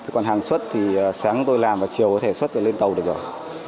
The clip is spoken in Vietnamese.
còn hàng xuất thì sáng tôi làm và chiều có thể xuất tôi lên tàu được rồi